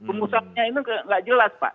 rumusannya itu nggak jelas pak